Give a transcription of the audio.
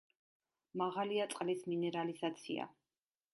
მაღალია წყლის მინერალიზაცია.